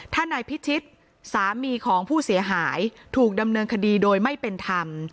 ถ้านายพิชิตสามีของผู้เสียหายถูกดำเนินคดีโดยไม่เป็นธรรม